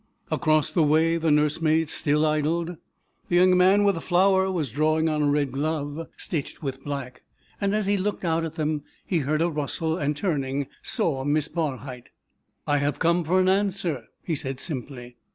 Across the way the nurse maid still idled, the young man with a flower was drawing on a red glove, stitched with black, and as he looked out at them he heard a rustle, and turning, saw Miss Barhyte. "I have come for an answer," he said simply.